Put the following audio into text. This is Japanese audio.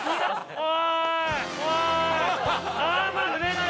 おい。